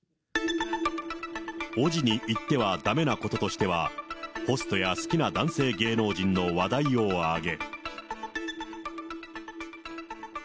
おぢに言ってはだめなこととしては、ホストや好きな男性芸能人の話題を挙げ。